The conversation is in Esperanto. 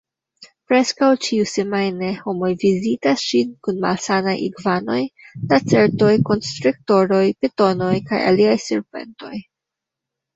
Preskaŭ ĉiusemajne homoj vizitas ŝin kun malsanaj igvanoj, lacertoj, konstriktoroj, pitonoj kaj aliaj serpentoj.